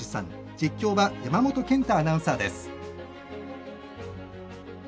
実況は山本健太アナウンサーです。